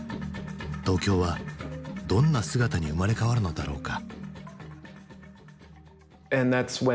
東京はどんな姿に生まれ変わるのだろうか？